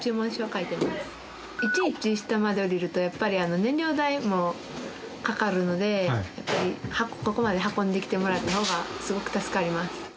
いちいち下まで下りるとやっぱり燃料代もかかるのでここまで運んできてもらった方がすごく助かります。